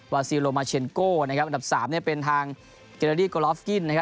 วาซิโลมาเชนโกนะครับอันดับ๓เป็นทางเกลอรี่โกลอฟกิ้นนะครับ